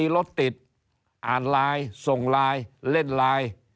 รถติดอ่านไลน์ส่งไลน์เล่นไลน์